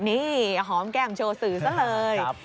นี่หอมแก้มโชว์สื่อซะเลย